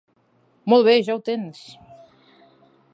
Molt bé, ja ho tens.